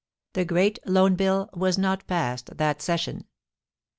The great Loan Bill was not passed that session.